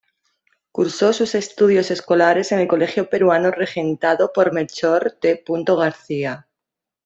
Cursó sus estudios escolares en el Colegio Peruano regentado por Melchor T. García.